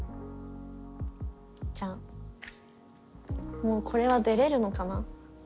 じゃあもうこれは出れるのかな？